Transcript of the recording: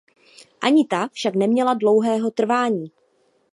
Ani ta však neměla dlouhého trvání.